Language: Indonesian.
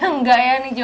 enggak ya nih joli